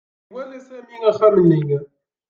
Iwala Sami axxam-nni.